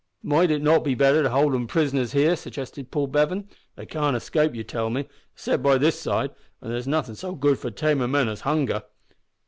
"Might it not be better to hold them prisoners here?" suggested Paul Bevan. "They can't escape, you tell me, except by this side, and there's nothin' so good for tamin' men as hunger."